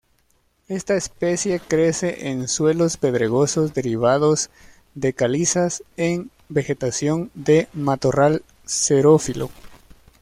Esta especie crece en suelos pedregosos derivados de calizas, en vegetación de matorral xerófilo.